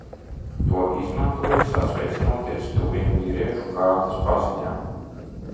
To izmantoja, sasveicinoties tuviem vīriešu kārtas paziņām.